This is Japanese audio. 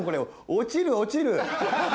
落ちる落ちる。